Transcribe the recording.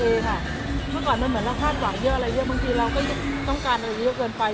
เมื่อก่อนมันเหมือนเราคาดหวังเยอะอะไรเยอะบางทีเราก็ต้องการอะไรเยอะเกินไป